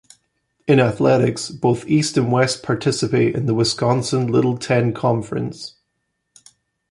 In athletics, both East and West participate in the Wisconsin Little Ten Conference.